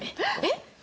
えっ！？